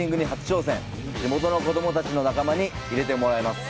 地元の子供たちの仲間に入れてもらいます。